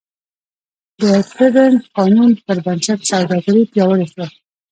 د هیپبرن قانون پربنسټ سوداګري پیاوړې شوه.